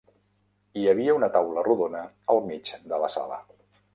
Hi havia una taula rodona al mig de la sala.